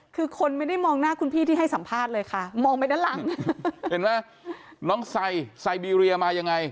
คือคนไม่ได้มองหน้าคุณพี่ที่ให้สัมภาษณ์เลยค่ะมองไปด้านหลังเห็นไหมน้องไซไซบีเรียมายังไง